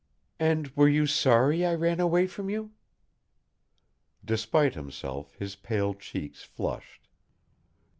"And were you sorry I ran away from you?" Despite himself, his pale cheeks flushed.